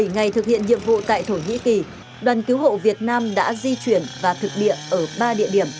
bảy ngày thực hiện nhiệm vụ tại thổ nhĩ kỳ đoàn cứu hộ việt nam đã di chuyển và thực địa ở ba địa điểm